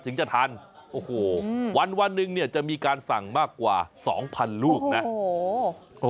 ถึงจะทันโอ้โหวันวันหนึ่งเนี่ยจะมีการสั่งมากกว่าสองพันลูกนะโอ้โห